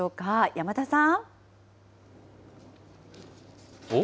山田さん。